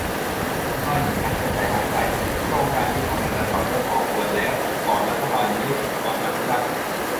จะว่าอย่างนั้นก็ใจร้ายไป โครงการนี้ทำมานานต่อเนื่องพอควรแล้ว ก่อนรัฐบาลนี้ ก่อนอภิรักษ์